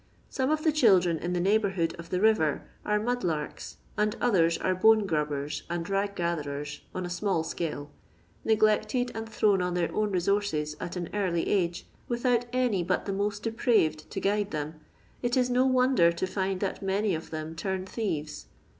Some of the children, in the neighbourhood of the river, are mud larks, and others are bone grubbers and rag gatherers, on a small scale ; neglected and thrown on their own resources at an eariy age, without any but the most depmved to guide them, it is no wonder to find that many of them turn thieves.